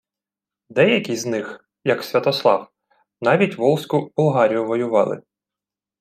Деякі з них, як Святослав, навіть Волзьку Булгарію воювали